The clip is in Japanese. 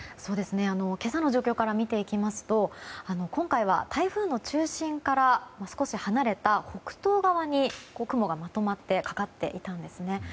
今朝の状況から見ていきますと今回は台風の中心から少し離れた北東側に雲がまとまってかかっていたんですね。